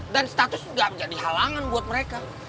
dan status itu gak jadi halangan buat mereka